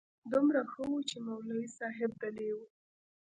دومره ښه و چې مولوي صاحب دلې و.